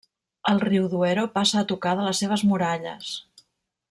El riu Duero passa a tocar de les seves muralles.